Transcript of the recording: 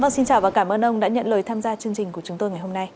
xin chào và cảm ơn ông đã nhận lời tham gia chương trình của chúng tôi ngày hôm nay